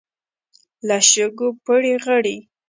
له شګو پړي غړي.